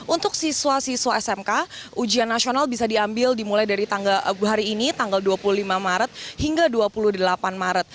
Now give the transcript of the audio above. untuk siswa siswa smk ujian nasional bisa diambil dimulai dari hari ini tanggal dua puluh lima maret hingga dua puluh delapan maret